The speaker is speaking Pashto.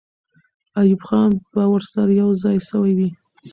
ایوب خان به ورسره یو ځای سوی وي.